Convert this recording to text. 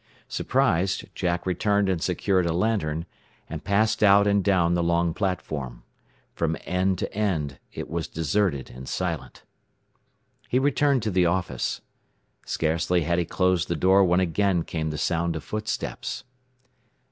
Surprised, Jack returned and secured a lantern, and passed out and down the long platform. From end to end it was deserted and silent. He returned to the office. Scarcely had he closed the door when again came the sound of footsteps.